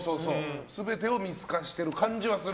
全てを見透かしてる感じはする。